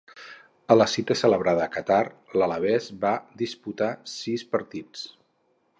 A la cita celebrada a Qatar, l'alabès va disputar sis partits.